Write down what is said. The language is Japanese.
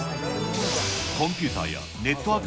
コンピュータやネットワーク